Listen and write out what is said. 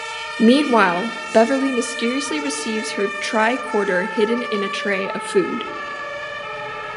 Meanwhile, Beverly mysteriously receives her tricorder hidden in a tray of food.